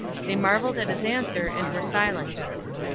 They marveled at his answer, and were silent.